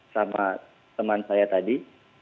sama teman saya tadi